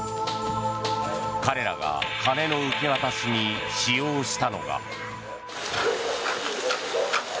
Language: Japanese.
彼らがカネの受け渡しに使用したのが。